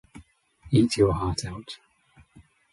Eat your heart out.